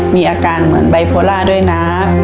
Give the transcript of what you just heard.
มีอาการแบบไบโพลาด้วยนะ